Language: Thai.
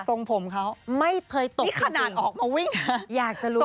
ส่งผมเขานี่ขนาดออกมาวิ่งค่ะอยากจะรู้